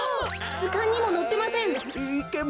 ずかんにものってません。